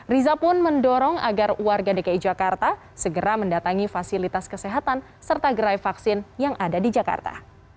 riza pun mendorong agar warga dki jakarta segera mendatangi fasilitas kesehatan serta gerai vaksin yang ada di jakarta